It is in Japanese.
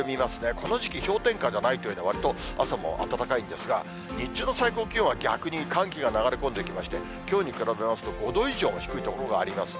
この時期、氷点下じゃないというのは、わりと朝も暖かいんですが、日中の最高気温は、逆に寒気が流れ込んできまして、きょうに比べますと、５度以上低い所がありますね。